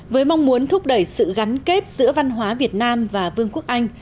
với mong muốn thúc đẩy sự gắn kết giữa văn hóa việt nam và vương quốc anh